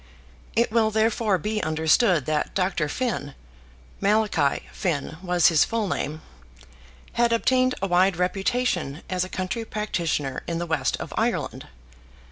It will therefore be understood that Dr. Finn, Malachi Finn was his full name, had obtained a wide reputation as a country practitioner in the west of Ireland.